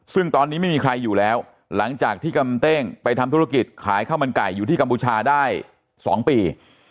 ซึ่งตอนนี้ไม่มีใครอยู่แล้วหลังจากที่กำเต้งไปทำธุรกิจขายข้าวมันไก่อยู่ที่กัมพูชาได้๒ปี